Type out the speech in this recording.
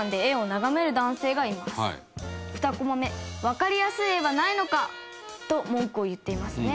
「わかりやすい絵はないのか」と文句を言っていますね。